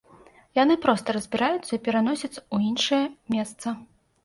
Яны проста разбіраюцца і пераносяцца ў іншае месца.